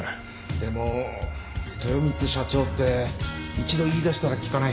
でも豊光社長って一度言いだしたら聞かない